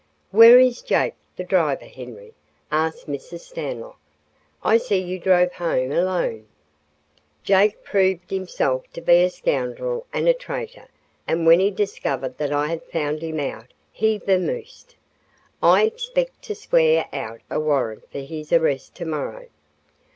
"Where is Jake, the driver, Henry?" asked Mrs. Stanlock. "I see you drove home alone." "Jake proved himself to be a scoundrel and a traitor and when he discovered that I had found him out he vamoosed. I expect to swear out a warrant for his arrest tomorrow.